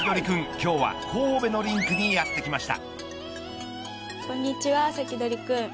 今日は神戸のリンクにやってきました。